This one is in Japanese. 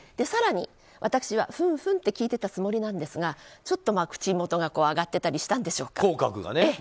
更に、私はふんふんと聞いていたつもりなんですがちょっと口元が上がってたりしてたんでしょうか。